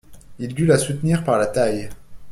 Il dut la soutenir par la taille.